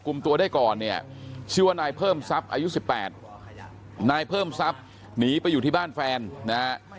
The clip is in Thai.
กลุ่มตัวได้ก่อนเนี่ยชื่อว่านายเพิ่มทรัพย์อายุ๑๘นายเพิ่มทรัพย์หนีไปอยู่ที่บ้านแฟนนะฮะ